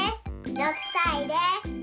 ６さいです。